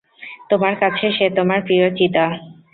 তোমার কাছে, সে তোমার প্রিয় চিদা!